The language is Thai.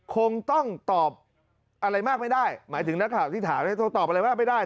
คงต้องตอบอะไรมากไม่ได้หมายถึงนักข่าวที่ถามต้องตอบอะไรมากไม่ได้